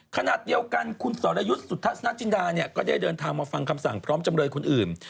ขณะเดียวกันคุณสรยุทธ์สุทัศนจินดาเนี่ยก็ได้เดินทางมาฟังคำสั่งพร้อมจำเลยคนอื่น